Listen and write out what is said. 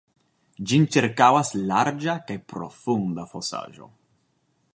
Ĝin ĉirkaŭas larĝa kaj profunda fosaĵo.